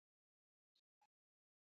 شفافه تګلاره د اعتماد د جوړېدو لامل ده.